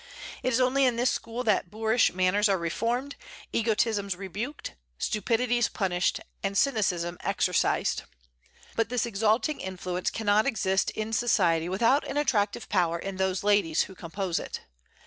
It is only in this school that boorish manners are reformed, egotisms rebuked, stupidities punished, and cynicism exorcised. But this exalting influence cannot exist in society without an attractive power in those ladies who compose it.